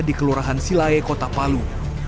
di kelurahan silae kota palu